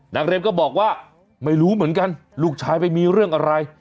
เรียมก็บอกว่าไม่รู้เหมือนกันลูกชายไปมีเรื่องอะไร